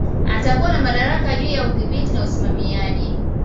Atakuwa na madaraka juu ya udhibiti na usimamiaji